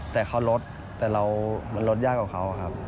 แต่เขาลดแต่เรามันลดยากกว่าเขาครับ